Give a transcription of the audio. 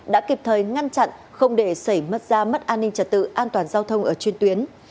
đã kịp thời ngăn chặn không để xảy ra mất ra mất an ninh trật tự an toàn giao thông ở chuyên tuyến